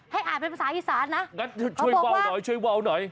ให้อ่านเป็นภาษาไอซานนะเขาบอกว่าแล้วช่วยว่าวหน่อย